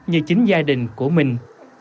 như chính gia đình của mình